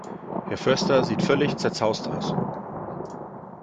Herr Förster sieht völlig zerzaust aus.